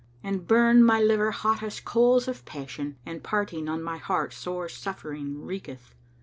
And burn my liver hottest coals of passion * And parting on my heart sore suffering wreaketh.